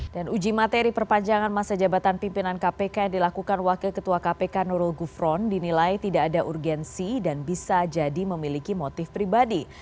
dan uji materi perpanjangan masa jabatan pimpinan kpk yang dilakukan wakil ketua kpk nurul gufron dinilai tidak ada urgensi dan bisa jadi memiliki motif pribadi